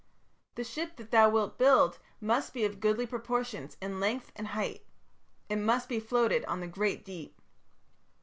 The ship that thou wilt build must be of goodly proportions in length and height. It must be floated on the great deep.'